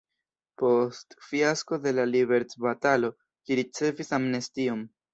Post fiasko de la liberecbatalo li ricevis amnestion.